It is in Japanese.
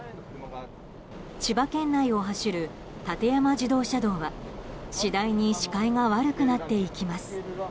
千葉県内を走る館山自動車道は次第に視界が悪くなっていきます。